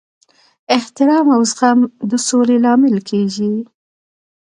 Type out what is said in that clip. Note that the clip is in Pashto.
احترام او زغم د سولې لامل کیږي.